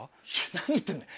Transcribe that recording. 何言ってんだよ